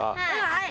はい！